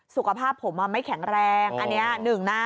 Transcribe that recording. สุขภาพผมไม่แข็งแรงอันนี้หนึ่งนะ